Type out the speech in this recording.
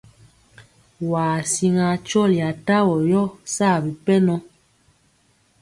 Waa siŋa kyɔli atavɔ yɔ saa bipɛnɔ.